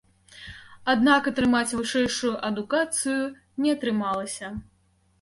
Аднак атрымаць вышэйшую адукацыю не атрымалася.